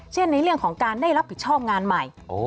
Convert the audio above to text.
ในเรื่องของการได้รับผิดชอบงานใหม่